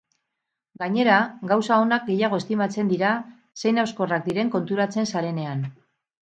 Gainera, gauza onak gehiago estimatzen dira zein hauskorrak diren konturatzen zarenean.